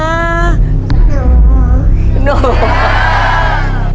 น้อง